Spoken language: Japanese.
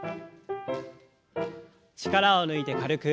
力を抜いて軽く。